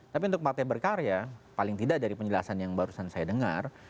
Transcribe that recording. tapi untuk partai berkarya paling tidak dari penjelasan yang barusan saya dengar